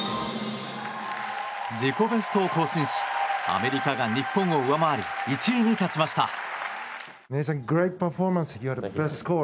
自己ベストを更新しアメリカが日本を上回り１位に立ちました。